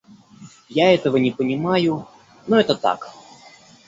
Я этого не понимаю, но это так.